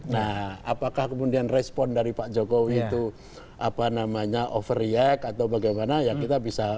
nah apakah kemudian respon dari pak jokowi itu overreact atau bagaimana ya kita bisa menilai